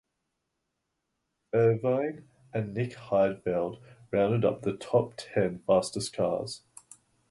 Irvine and Nick Heidfeld rounded out the top ten fastest drivers.